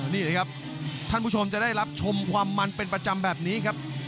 นี่แหละครับท่านผู้ชมจะได้รับชมความมันเป็นประจำแบบนี้ครับ